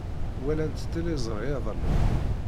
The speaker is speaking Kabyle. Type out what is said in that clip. Walant tiliẓri iḍelli.